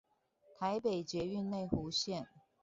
台北捷運內湖線